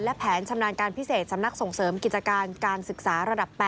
และแผนชำนาญการพิเศษสำนักส่งเสริมกิจการการศึกษาระดับ๘